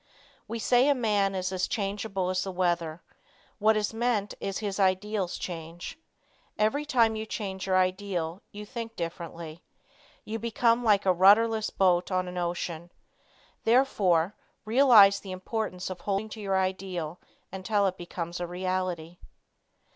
We say a man is as changeable as the weather. What is meant is his ideals change. Every time you change your ideal you think differently. You become like a rudderless boat on an ocean. Therefore realize the importance of holding to your ideal until it becomes a reality.